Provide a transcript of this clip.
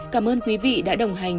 cảm ơn quý vị đã đồng hành